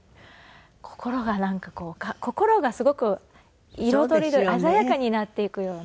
心がなんかこう心がすごく彩りで鮮やかになっていくような。